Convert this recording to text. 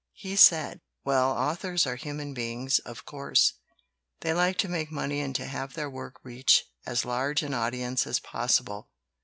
He said: "Well, authors are human beings, of course. They like to make money and to have their work 63 LITERATURE IN THE MAKING reach as large an audience as possible.